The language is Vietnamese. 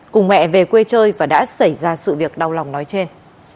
cùng mẹ về quê chơi và đã xảy ra sự việc đau lòng nói trên